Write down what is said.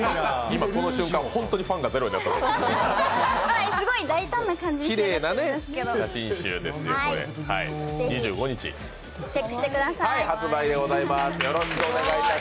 今この瞬間、本当にファンがゼロになった。